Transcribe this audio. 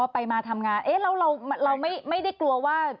อ๋อไปมาทำงานเราไม่ได้กลัวว่า